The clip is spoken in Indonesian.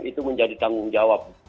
itu menjadi tanggung jawab